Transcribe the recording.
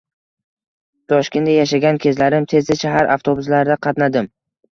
Toshkentda yashagan kezlarim tez-tez shahar avtobuslarida qatnadim